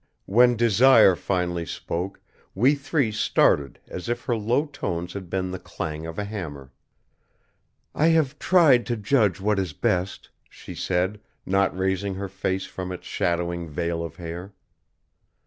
When Desire finally spoke, we three started as if her low tones had been the clang of a hammer. "I have tried to judge what is best," she said, not raising her face from its shadowing veil of hair.